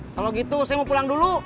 kalau gitu saya mau pulang dulu